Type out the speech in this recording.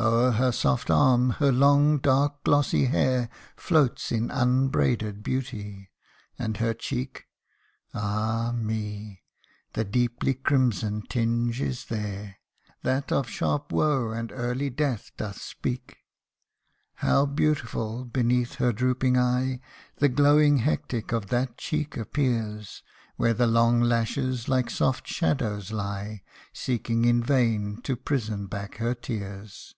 246 TUP: WANDERER, O'er her soft arm her long, dark, glossy hair Floats in unbraided beauty, and her cheek, Ah, me ! the deeply crimsoned tinge is there, That of sharp woe and early death doth speak. How beautiful, beneath her drooping eye, The glowing hectic of that cheek appears, Where the long lashes like soft shadows lie, Seeking in vain to prison back her tears.